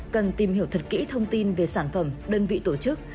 cần tìm hiểu thật kỹ thông tin về sản phẩm đơn vị tổ chức